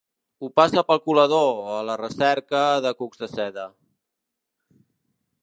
Ho passa pel colador, a la recerca de cucs de seda.